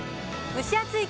蒸し暑い